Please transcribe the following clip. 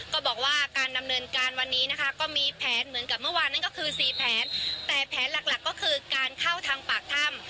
ก็บอกว่าการดำเนินการวันนี้นะคะก็มีแผนเหมือนกับเมื่อวานนั้นก็คือสี่แผนแต่แผนหลักหลักก็คือการเข้าทางปากถ้ำ